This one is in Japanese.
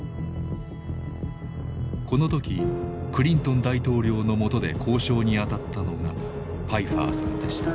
この時クリントン大統領のもとで交渉にあたったのがパイファーさんでした。